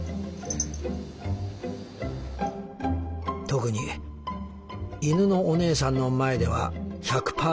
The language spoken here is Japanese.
「特に犬のお姉さんの前では１００％